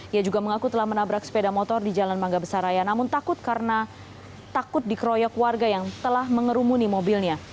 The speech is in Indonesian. ia juga mengaku telah menabrak sepeda motor di jalan mangga besaraya namun takut karena takut dikeroyok warga yang telah mengerumuni mobilnya